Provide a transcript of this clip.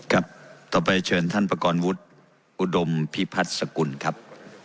ครับต่อไปเชิญท่านประกอบวุฒิอุดมพิพัฒน์สกุลครับ